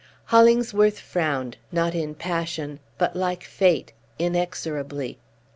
Hollingsworth frowned; not in passion, but, like fate, inexorably.